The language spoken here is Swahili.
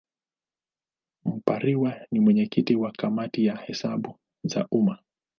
Mpariwa ni mwenyekiti wa Kamati ya Hesabu za Umma.